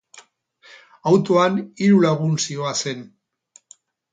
Autoan hiru lagun zihoazen.